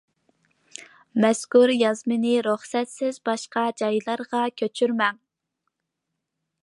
مەزكۇر يازمىنى رۇخسەتسىز باشقا جايلارغا كۆچۈرمەڭ!